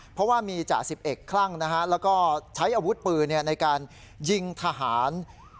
เพราะว่ามีจ่าสิบเอกคลั่งแล้วก็ใช้อาวุธปืนในการยิงทหาร